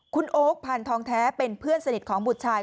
คุณโอ๊คพันธองแท้เป็นเพื่อนสนิทของบุตรชาย